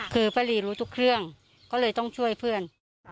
คือป้ารีรู้ทุกเรื่องก็เลยต้องช่วยเพื่อน